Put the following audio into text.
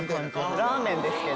ラーメンですけど。